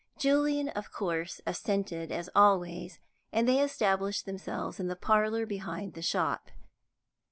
Julian of course assented, as always, and they established themselves in the parlour behind the shop.